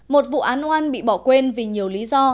một vụ án oan bị bỏ quên vì nhiều lý do